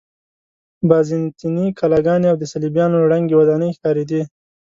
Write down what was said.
بازنطیني کلاګانې او د صلیبیانو ړنګې ودانۍ ښکارېدې.